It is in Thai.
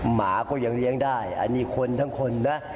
หมาก็ยังเลี้ยงได้อันนี้คนทั้งคนนะ